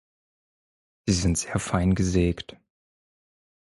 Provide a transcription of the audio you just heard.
Sie sind sehr fein gesägt.